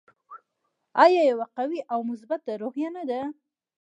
آیا یوه قوي او مثبته روحیه نه ده؟